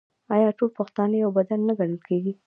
آیا ټول پښتانه یو بدن نه ګڼل کیږي؟